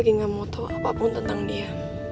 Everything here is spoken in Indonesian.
gue lagi gak mau tau apapun tentang dia